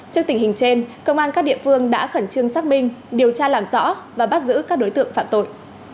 trước tình hình trên công an các địa phương đã khẩn trương xác minh điều tra làm rõ và bắt giữ các đối tượng phạm tội